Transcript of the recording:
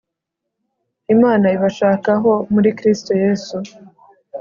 imana ibashakaho muri kristo yesu